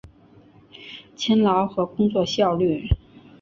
勤劳和工作效率